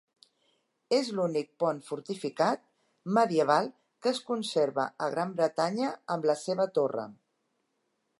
És l'únic pont fortificat medieval que es conserva a Gran Bretanya amb la seva torre.